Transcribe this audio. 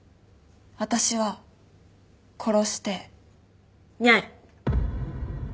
私は殺してにゃい。